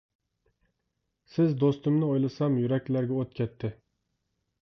سىز دوستۇمنى ئويلىسام، يۈرەكلەرگە ئوت كەتتى.